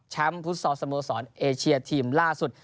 ช้ำฟุตสรสโมสรเอเชียทีมล่าสุด